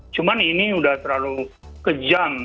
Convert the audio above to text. cuman ini udah terlalu kejam